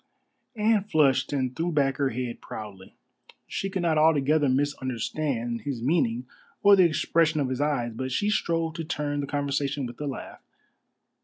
Anne flushed and threw back her head proudly. She could not altogether misunderstand his meaning or the expression of his eyes, but she strove to turn the conversation with a laugh.